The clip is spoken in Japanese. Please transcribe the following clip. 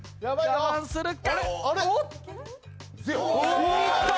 我慢するか？